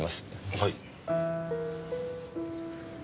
はい。